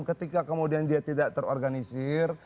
ketika kemudian dia tidak terorganisir